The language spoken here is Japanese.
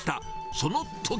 そのとき。